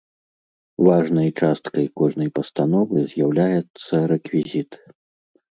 Важнай часткай кожнай пастановы з'яўляецца рэквізіт.